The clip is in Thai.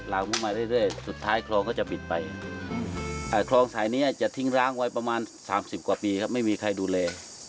ขึ้นมาเรื่อยสุดท้ายคลองก็จะปิดไปคลองสายนี้จะทิ้งร้างไว้ประมาณ๓๐กว่าปีครับไม่มีใครดูแล